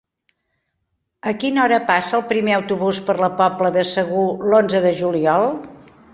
A quina hora passa el primer autobús per la Pobla de Segur l'onze de juliol?